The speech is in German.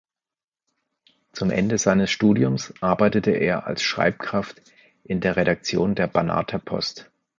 Zum Ende seines Studiums arbeitete er als Schreibkraft in der Redaktion der Banater Post.